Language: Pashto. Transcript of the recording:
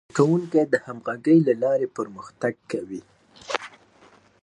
کارکوونکي د همغږۍ له لارې پرمختګ کوي